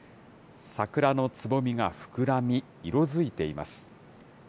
桜のつぼみが膨らみ、色づいています。